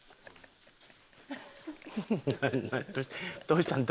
どうしたん？